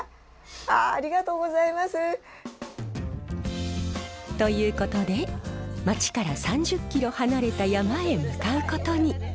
あありがとうございます！ということで街から３０キロ離れた山へ向かうことに。